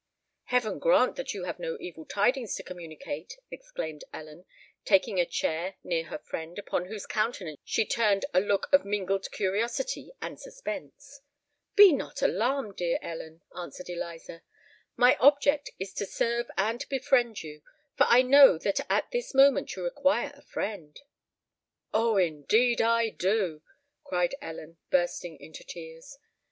"Heaven grant that you have no evil tidings to communicate!" exclaimed Ellen, taking a chair near her friend, upon whose countenance she turned a look of mingled curiosity and suspense. "Be not alarmed, dear Ellen," answered Eliza: "my object is to serve and befriend you—for I know that at this moment you require a friend!" "Oh! indeed I do," cried Ellen, bursting into tears.